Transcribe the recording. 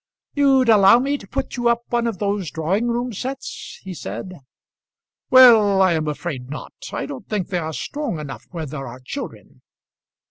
"You'll allow me to put you up one of those drawing room sets?" he said. "Well, I am afraid not. I don't think they are strong enough where there are children."